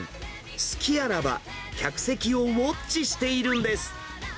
隙あらば、客席をウォッチしているんです。